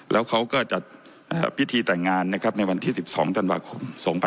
แล้วเขาก็จัดพิธีแต่งงานนะครับในวันที่๑๒ธันวาคม๒๕๖๒